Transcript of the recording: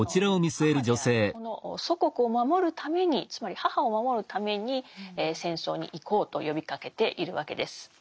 母であるこの祖国を守るためにつまり母を守るために戦争に行こうと呼びかけているわけです。